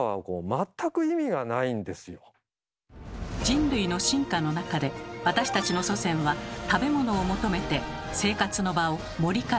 人類の進化の中で私たちの祖先は食べ物を求めて生活の場を森から草原へと変えました。